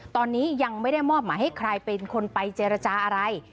ตอนนี้ยังไม่ได้มอบหมายให้ใครเป็นคนไปเจรจาอะไร